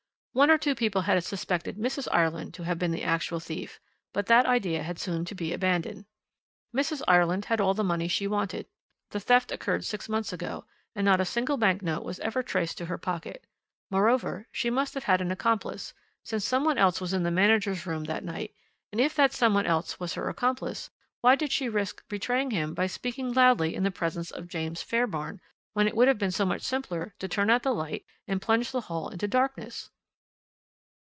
One or two people had suspected Mrs. Ireland to have been the actual thief, but that idea had soon to be abandoned. Mrs. Ireland had all the money she wanted; the theft occurred six months ago, and not a single bank note was ever traced to her pocket; moreover, she must have had an accomplice, since some one else was in the manager's room that night; and if that some one else was her accomplice, why did she risk betraying him by speaking loudly in the presence of James Fairbairn, when it would have been so much simpler to turn out the light and plunge the hall into darkness?